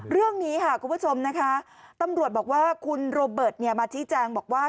เรื่องนี้ค่ะคุณผู้ชมนะคะตำรวจบอกว่าคุณโรเบิร์ตมาชี้แจงบอกว่า